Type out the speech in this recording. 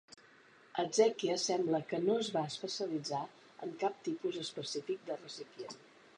Exekias sembla que no es va especialitzar en cap tipus específic de recipient.